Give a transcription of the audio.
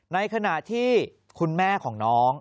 ในขณะที่คุณแม่ของน้อง